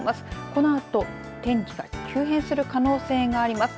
このあと天気が急変する可能性があります。